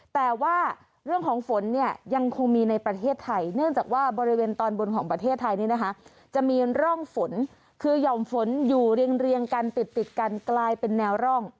แต่ว่าเรื่องของฝนยังคงมีในประเทศไทยโดยเจียงจากบริเวณตอนบนของประเทศไทยมียอมฝนอยู่เรียงกันติดกลายเป็นแจ้วร่อง